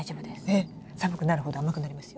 寒くなるほど甘くなりますよ。